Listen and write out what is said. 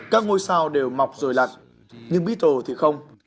các ngôi sao đều mọc rồi lặn nhưng beatles thì không